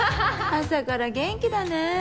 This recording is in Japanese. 朝から元気だね。